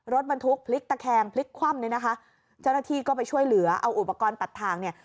รถบรรทุกพลิกตะแคงพลิกคว่ำเนี่ยนะคะเจ้าหน้าที่ก็ไปช่วยเหลือเอาอุปกรณ์ตัดทางเนี่ย